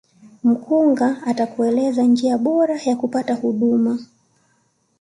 mkunga atakueleza njia bora ya kupata huduma